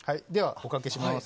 おかけします。